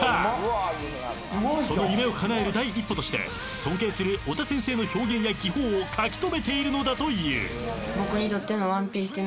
［その夢をかなえる第一歩として尊敬する尾田先生の表現や技法を書き留めているのだという］